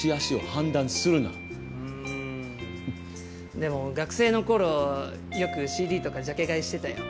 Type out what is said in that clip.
でも学生の頃よくＣＤとかジャケ買いしてたよ。